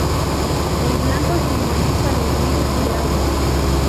El blanco simboliza los ríos y el agua.